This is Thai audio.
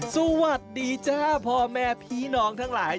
สวัสดีจ้าพ่อแม่พี่น้องทั้งหลาย